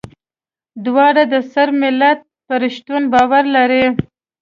دواړه د صرب ملت پر شتون باور لري.